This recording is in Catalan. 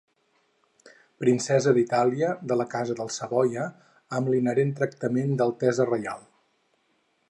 Princesa d'Itàlia de la Casa dels Savoia amb l'inherent tractament d'altesa reial.